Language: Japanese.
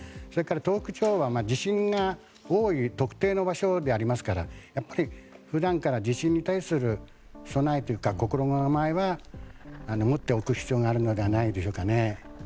それから東北地方は地震が多い特定の場所でありますからやっぱり普段から地震に対する備えというか心構えは持っていく必要があるのではないでしょうか。